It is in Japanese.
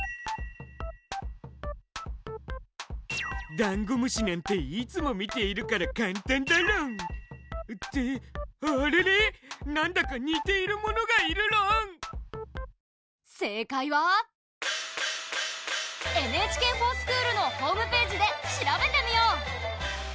ダンゴムシなんていつも見ているから簡単だろん！ってあれれなんだか似ているものがいるろん⁉正解は「ＮＨＫｆｏｒＳｃｈｏｏｌ」のホームページで調べてみよう！